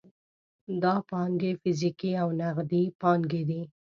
دا پانګې فزیکي او نغدي پانګې دي.